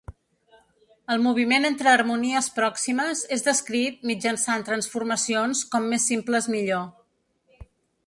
El moviment entre harmonies pròximes és descrit mitjançant transformacions com més simples millor.